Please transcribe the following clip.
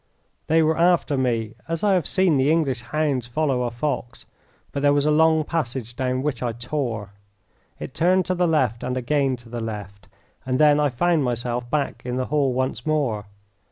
They were after me as I have seen the English hounds follow a fox, but there was a long passage down which I tore. It turned to the left and again to the left, and then I found myself back in the hall once more.